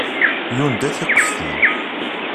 Yunda tiqeftin.